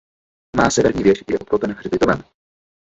Má severní věž a je obklopen hřbitovem.